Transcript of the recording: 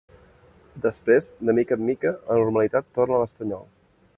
Després, de mica en mica, la normalitat torna a l'estanyol.